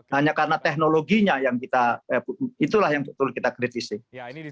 hanya karena teknologinya yang itulah yang betul kita kritisi